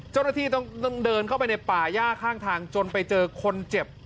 เจ้าหน้าที่ต้องเดินเข้าไปในป่าย่าข้างทางจนไปเจอคนเจ็บ